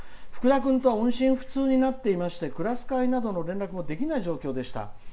ふくだくんとは音信不通になっていましてクラス会などの連絡もできない状態でした。